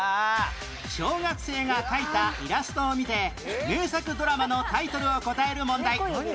小学生が描いたイラストを見て名作ドラマのタイトルを答える問題